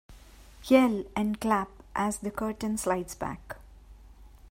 Yell and clap as the curtain slides back.